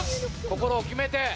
心を決めて！